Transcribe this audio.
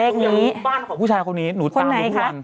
คนไหนคะ